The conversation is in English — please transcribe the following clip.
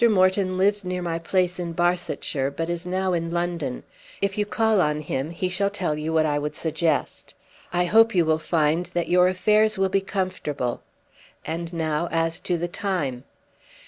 Moreton lives near my place in Barsetshire, but is now in London. If you will call on him he shall tell you what I would suggest. I hope you will find that your affairs will be comfortable. And now as to the time."